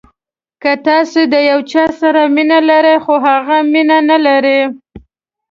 که تاسو د یو چا سره مینه لرئ خو هغه مینه نلري.